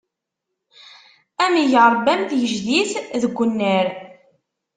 Ad am-ig Ṛebbi am tgejdit deg unnar!